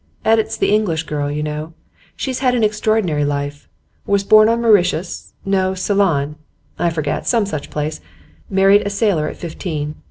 'Edits The English Girl, you know. She's had an extraordinary life. Was born in Mauritius no, Ceylon I forget; some such place. Married a sailor at fifteen.